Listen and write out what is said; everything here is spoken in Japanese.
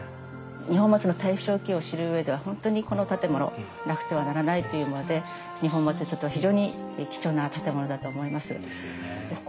二本松の大正期を知る上では本当にこの建物なくてはならないというもので二本松にとっては非常に貴重な建物だと思います。